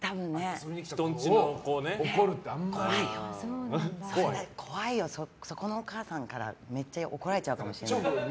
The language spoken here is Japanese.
遊びに来た子を怒るって怖いよ、そこのお母さんから怒られちゃうかもしれない。